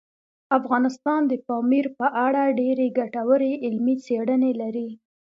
افغانستان د پامیر په اړه ډېرې ګټورې علمي څېړنې لري.